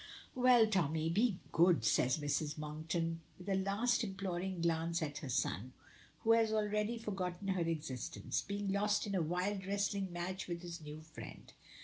"Well, Tommy, be good!" says Mrs. Monkton with a last imploring glance at her son, who has already forgotten her existence, being lost in a wild wrestling match with his new friend.